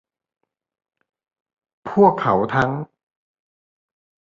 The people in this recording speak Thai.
พวกเขาทั้ง